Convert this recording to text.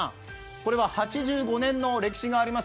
これは８５年の歴史があります